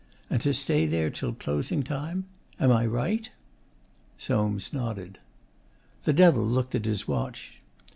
and to stay there till closing time? Am I right?' Soames nodded. The Devil looked at his watch.